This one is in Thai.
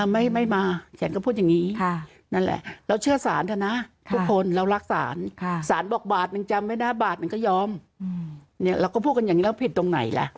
ไม่มีต่างจังหวัดด้วยอ่าไม่ไม่มาฉันก็พูดอย่างนี้